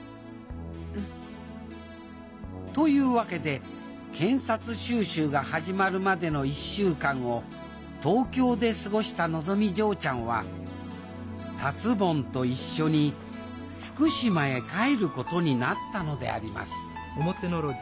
うん。というわけで検察修習が始まるまでの１週間を東京で過ごしたのぞみ嬢ちゃんは達ぼんと一緒に福島へ帰ることになったのでありますんもう！